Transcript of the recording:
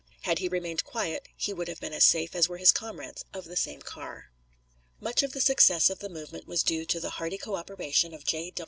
Had he remained quiet, he would have been as safe as were his comrades of the same car. Much of the success of the movement was due to the hearty co operation of J.